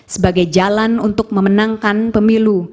sebagai jalan untuk memenangkan pemilu